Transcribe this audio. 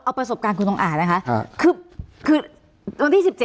เอาปสบการคุณตรงอ่าน่ะคะคือคือวันที่สิบเจ็ด